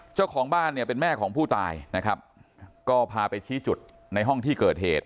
เจ้าของบ้านเนี่ยเป็นแม่ของผู้ตายนะครับก็พาไปชี้จุดในห้องที่เกิดเหตุ